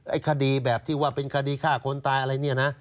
ไอ้คดีแบบที่ว่าเป็นคดีฆ่าคนตายอะไรเนี่ยนะ